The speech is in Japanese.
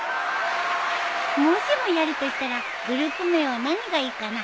もしもやるとしたらグループ名は何がいいかな？